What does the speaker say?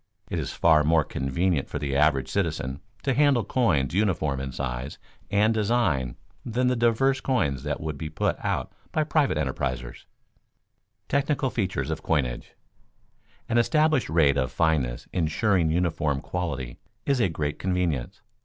It is far more convenient for the average citizen to handle coins uniform in size and design than the diverse coins that would be put out by private enterprisers. [Sidenote: Technical features of coinage] An established rate of fineness insuring uniform quality is a great convenience.